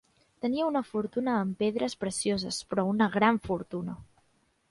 Tenia una fortuna en pedres precioses, però una gran fortuna!